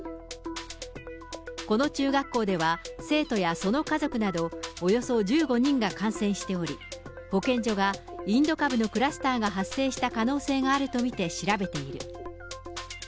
この中学校では、生徒やその家族などおよそ１５人が感染しており、保健所がインド株のクラスターが発生した可能性があると見て、調べている。